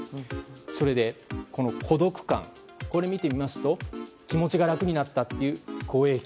そして、孤独感を見てみますと気持ちが楽になったという好影響